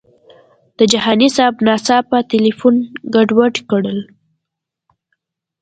د جهاني صاحب ناڅاپه تیلفون ګډوډ کړل.